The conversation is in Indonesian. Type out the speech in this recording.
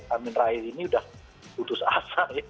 amin rahil ini udah putus asa